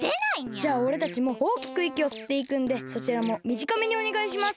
じゃあおれたちもおおきくいきをすっていくんでそちらもみじかめにおねがいします。